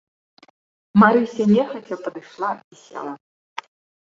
Марыся нехаця падышла і села.